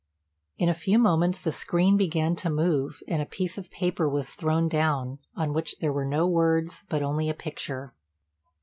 In a few moments the screen began to move, and a piece of paper was thrown down, on which there were no words, but only a picture.